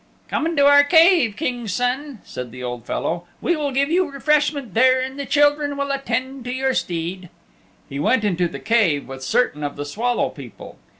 "Come into our cave, King's Son," said the old fellow, "we will give you refreshment there, and the children will attend to your steed." He went into the cave with certain of the Swallow People.